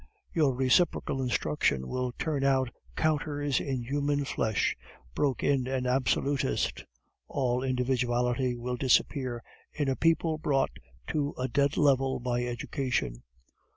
"Your reciprocal instruction will turn out counters in human flesh," broke in an Absolutist. "All individuality will disappear in a people brought to a dead level by education."